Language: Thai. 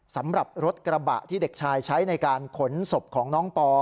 สำหรับรถกระบะที่เด็กชายใช้ในการขนศพของน้องปอ